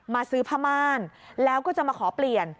ซื้อผ้าม่านแล้วก็จะมาขอเปลี่ยน